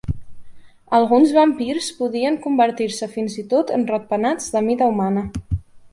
Alguns vampirs podien convertir-se fins i tot en ratpenats de mida humana.